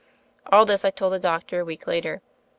All this I told the doctor a week later.